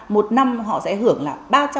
một năm họ sẽ hưởng là ba trăm linh